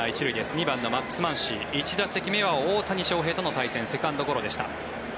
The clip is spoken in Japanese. ２番のマックス・マンシー１打席目は大谷翔平との対戦セカンドゴロでした。